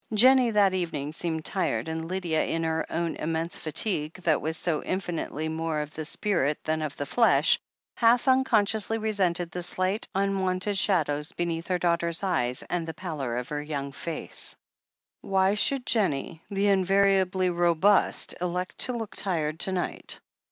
Jennie, that evening, seemed tired, and Lydia, in her own immense fatigue that wa^ so infinitely more of the spirit than of the flesh, half unconsciously resented the slight, unwonted shadows beneath her daughter's eyes and the pallor of her young face. THE HEEL OF ACHILLES 453 Why should jennie, the invariably robust, elect to look tired to night